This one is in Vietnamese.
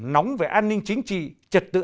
nóng về an ninh chính trị trật tự